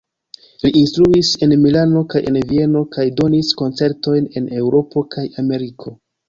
Li instruis en Milano kaj en Vieno kaj donis koncertojn en Eŭropo kaj Ameriko.